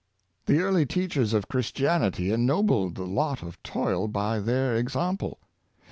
The early teachers of Christianity ennobled the lot of toil by their example.